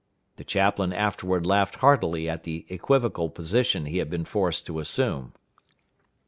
The chaplain afterward laughed heartily at the equivocal position he had been forced to assume.